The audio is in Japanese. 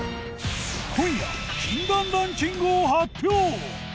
今夜禁断ランキングを発表。